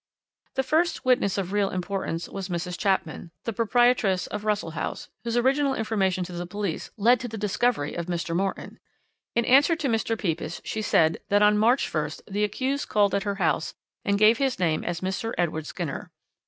"The first witness of real importance was Mrs. Chapman, the proprietress of Russell House, whose original information to the police led to the discovery of Mr. Morton. In answer to Mr. Pepys, she said that on March 1st the accused called at her house and gave his name as Mr. Edward Skinner.